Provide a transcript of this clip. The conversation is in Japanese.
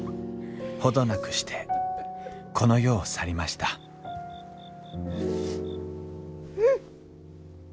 程なくしてこの世を去りましたううっ。